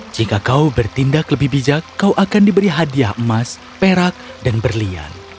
jika kau bertindak lebih bijak kau akan diberi hadiah emas perak dan berlian